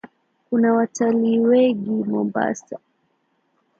Kuna watalii wegi Mombasa.